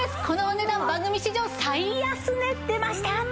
このお値段番組史上最安値出ました！